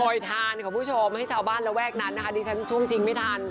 โปรโมยทานของผู้ชมให้เจ้าบ้านระแวกนั้นนะคะดิฉันช่วงจริงไม่ทันอ๋อ